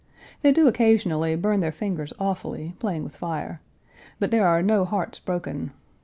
They do occasionally burn their fingers awfully, playing with fire, but there are no hearts broken.